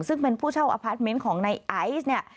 ซึ่งเป็นผู้เช่าอพาร์ทเมนต์ของในไอซ์เนี่ย